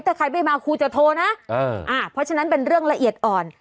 ถ้าใครไม่มาครูจะโทรนะเพราะฉะนั้นเป็นเรื่องละเอียดอ่อน